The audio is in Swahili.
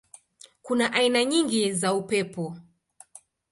Kuna aina nyingi za upepo.